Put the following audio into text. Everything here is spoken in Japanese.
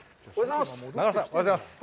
おはようございます。